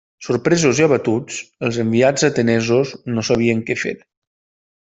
Sorpresos i abatuts, els enviats atenesos no sabien què fer.